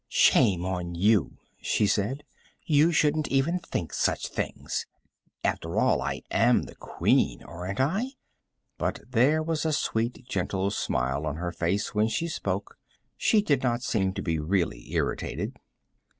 "Shame on you," she said. "You shouldn't even think such things. After all, I am the Queen, aren't I?" But there was a sweet, gentle smile on her face when she spoke; she did not seem to be really irritated.